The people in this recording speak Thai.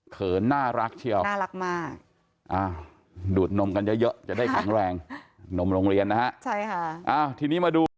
เขินน่ารักเชียวน่ารักมากดูดนมกันเยอะจะได้แข็งแรงนมโรงเรียนนะฮะใช่ค่ะทีนี้มาดู